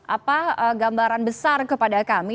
apa gambaran besar kepada kami